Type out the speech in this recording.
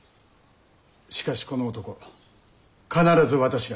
しかしこの男必ず私が。